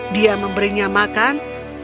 dia memberinya makan